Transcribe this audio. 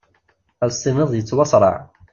As-tiniḍ tettwasraɛ.